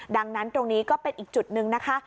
ดังนั้นตรงนี้ก็เป็นอีกจุดหนึ่งนะคะ